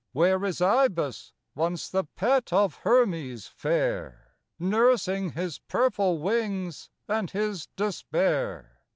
where Is Ibis, once the pet of Hermes fair, Nursing his purple wings and his despair?